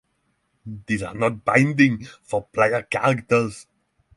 These are not binding for player characters